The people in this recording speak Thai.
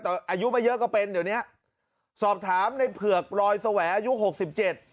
แต่อายุไม่เยอะก็เป็นเดี๋ยวเนี้ยสอบถามในเผือกรอยแสวงอายุหกสิบเจ็ด